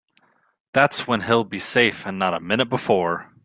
That's when he'll be safe and not a minute before.